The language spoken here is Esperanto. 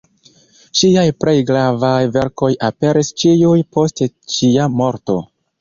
Ŝiaj plej gravaj verkoj aperis ĉiuj post ŝia morto.